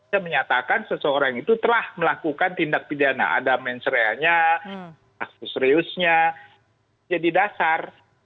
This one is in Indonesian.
yang menyatakan seseorang itu telah melakukan tindak pidana ada mensreanya aktus reusnya jadi dasar